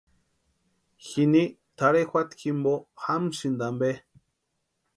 Jini tʼarhe juata jimpo jamsïnti ampe.